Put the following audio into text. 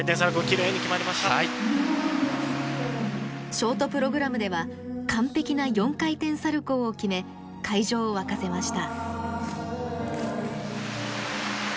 ショートプログラムでは完璧な４回転サルコーを決め会場を沸かせました。